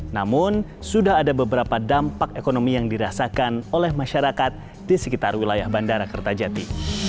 namun sudah ada beberapa dampak ekonomi yang dirasakan oleh masyarakat di sekitar wilayah bandara kertajati